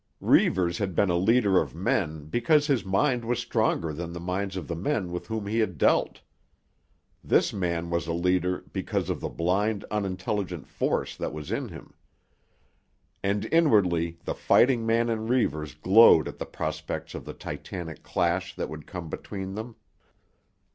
Reivers had been a leader of men because his mind was stronger than the minds of the men with whom he had dealt. This man was a leader because of the blind, unintelligent force that was in him. And inwardly the fighting man in Reivers glowed at the prospects of the Titanic clash that would come between them.